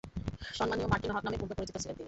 সম্মানীয় মার্টিন হক নামে পূর্বে পরিচিত ছিলেন তিনি।